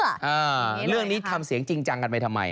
อ่าเรื่องนี้ทำเสียงจริงจังกันไปทำไม